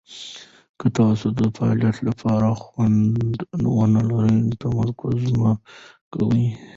که تاسو د فعالیت لپاره خوند ونه لرئ، تمرین مه کوئ.